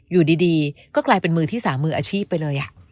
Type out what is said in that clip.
อยู่ดีก็กลายเป็นมือที่๓มืออาชีพไปเลย